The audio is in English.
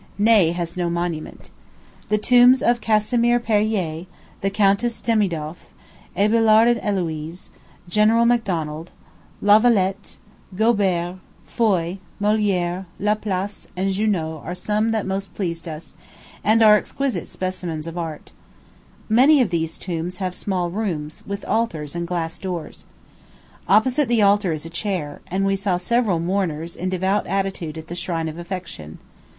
Ney yet has no monument. The tombs of Casimir Perrier, the Countess Demidoff, Abelard and Héloise, General Macdonald, Lavalette, Gobert, Foy, Molière, Laplace, and Junot are some that pleased us most, and are exquisite specimens of art. Many of these tombs have small rooms, with altars and glass doors. Opposite the altar is a chair, and we saw several mourners in devout attitude at the shrine of affection.